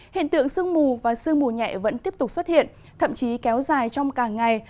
hiện tượng sương mù và sương mù nhẹ vẫn tiếp tục xuất hiện thậm chí kéo dài trong cả ngày